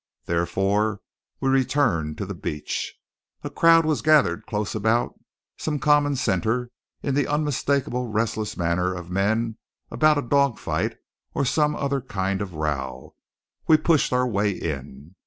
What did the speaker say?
Therefore we returned to the beach. A crowd was gathered close about some common centre in the unmistakable restless manner of men about a dog fight or some other kind of a row. We pushed our way in.